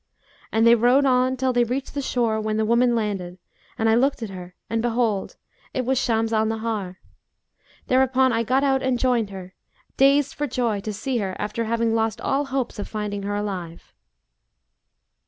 And they rowed on till they reached the shore when the woman landed, and I looked at her, and behold, it was Shams al Nahar. Thereupon I got out and joined her, dazed for joy to see her after having lost all hopes of finding her alive.'"